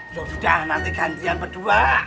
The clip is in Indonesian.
ya sudah nanti gantian berdua